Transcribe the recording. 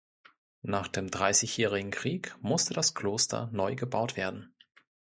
Nach dem Dreißigjährigen Krieg musste das Kloster neu gebaut werden.